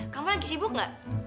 kamu lagi sibuk gak